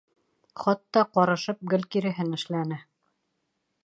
Хатта ҡарышып гел киреһен эшләне.